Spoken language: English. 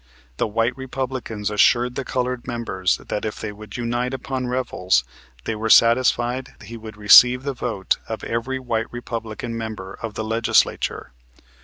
The white Republicans assured the colored members that if they would unite upon Revels, they were satisfied he would receive the vote of every white Republican member of the Legislature.